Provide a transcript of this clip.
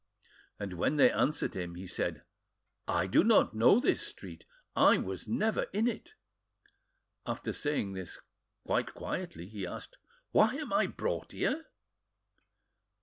And when they answered him, he said— "I do not know this street; I was never in it." After saying this quite quietly, he asked— "Why am I brought here?"